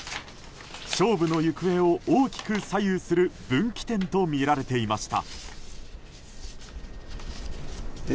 勝負の行方を大きく左右する分岐点とみられていました。